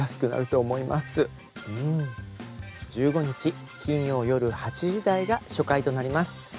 １５日金曜夜８時台が初回となります。